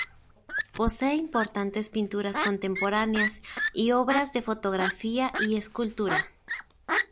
Posee importantes pinturas contemporáneas y obras de fotografía y escultura.